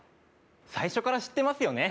最初から知ってますよね。